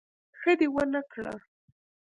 ښه دي ونکړه